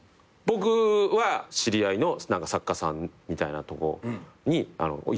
僕は知り合いの作家さんみたいなとこに居候です。